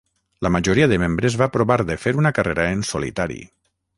La majoria de membres va provar de fer una carrera en solitari.